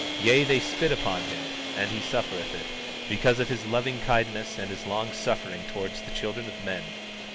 Yea, they spit upon him, and he suffereth it, because of his loving kindness and his long suffering towards the children of men.